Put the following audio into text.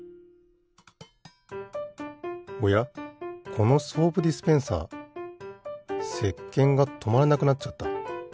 このソープディスペンサーせっけんがとまらなくなっちゃった。